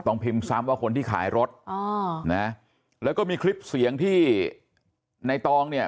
พิมพ์ซ้ำว่าคนที่ขายรถอ๋อนะแล้วก็มีคลิปเสียงที่ในตองเนี่ย